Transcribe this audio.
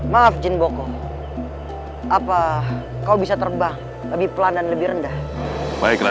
maaf jin boko apa kau bisa terbang lebih pelan dan lebih rendah baiklah